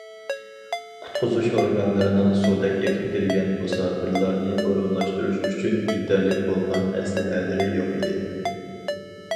قۇتقۇزۇش ئورگانلىرىنىڭ سۇدەك ئېقىپ كىرگەن مۇساپىرلارنى ئورۇنلاشتۇرۇش ئۈچۈن يېتەرلىك بولغان ئەسلىھەلىرى يوق ئىدى.